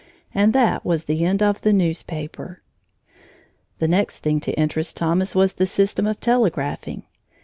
And that was the end of the newspaper. The next thing to interest Thomas was the system of telegraphing.